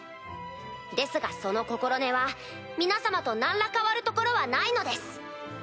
ですがその心根は皆様と何ら変わるところはないのです。